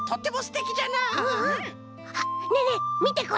あねえねえみてこれ！